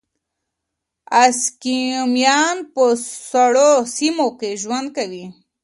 اسکیمویان په سړو سیمو کې ژوند کوي.